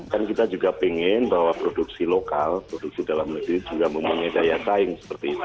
kan kita juga ingin bahwa produksi lokal produksi dalam negeri juga mempunyai daya saing seperti itu